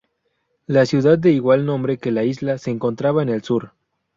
La ciudad, de igual nombre que la isla, se encontraba en el sur.